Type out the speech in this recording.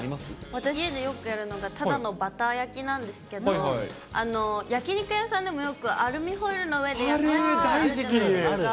私、家でよくやるのが、ただのバター焼きなんですけど、焼き肉屋さんでも、よく、アルミホイルの上で焼くやつあるじゃないですか。